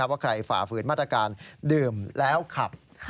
ว่าใครฝ่าฝืนมาตรการดื่มแล้วขับ